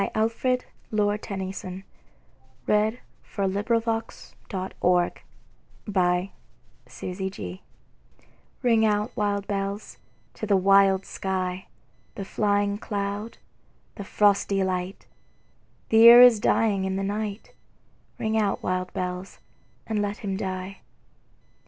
Alfred, Lord Tennyson Ring Out, Wild Bells RING out, wild bells, to the wild sky, The flying cloud, the frosty light; The year is dying in the night; Ring out, wild bells, and let him die.